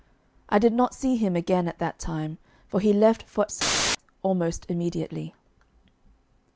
I did not see him again at that time, for he left for S almost immediately.